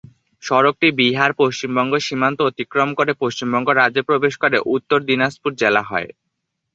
সড়কটি বিহার-পশ্চিমবঙ্গ সীমান্ত অতিক্রম করে পশ্চিমবঙ্গ রাজ্যে প্রবেশ করে উত্তর দিনাজপুর জেলা হয়ে।